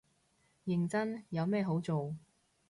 認真，有咩好做